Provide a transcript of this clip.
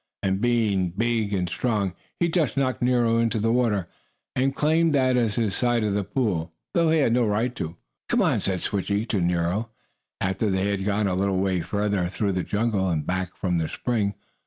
And, being big and strong, he just knocked Nero into the water, and claimed that as his side of the pool, though he had no right to. "Come on," said Switchie to Nero, after they had gone a little way further through the jungle and back from the spring.